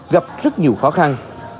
gặp rất nhiều khó khăn